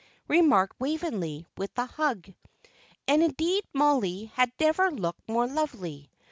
remarked Waveney, with a hug. And, indeed, Mollie had never looked more lovely.